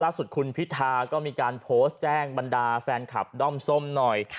สุดคุณพิธาก็มีการโพสต์แจ้งบรรดาแฟนคลับด้อมส้มหน่อย